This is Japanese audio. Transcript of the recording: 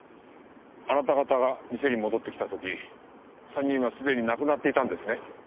あなた方が店に戻ってきた時３人はすでに亡くなっていたんですね？